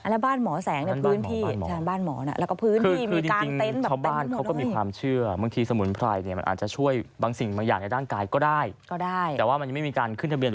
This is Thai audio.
แล้วบ้านหมอแสงแล้วก็พื้นที่มีกางเต็นต์แบบเต็มมากด้วย